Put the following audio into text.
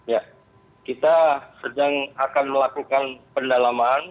ya kita sedang akan melakukan pendalaman